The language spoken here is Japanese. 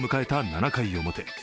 ７回表。